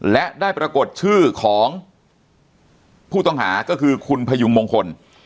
และได้ปรากฏชื่อของผู้ต้องหาก็คือคุณพยุงมงคล